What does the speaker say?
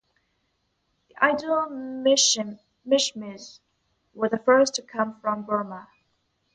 The Idu Mishmis were the first to come from Burma.